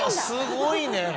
すごいね。